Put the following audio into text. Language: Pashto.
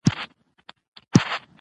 افغانستان د ریګ دښتې لپاره مشهور دی.